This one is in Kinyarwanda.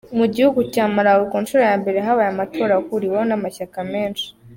Mu gihugu cya Malawi, ku nshuro ya mbere habaye amatora ahuriweho n’amashyaka menshi.